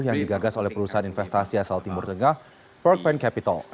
yang digagas oleh perusahaan investasi asal timur tengah perk pen capital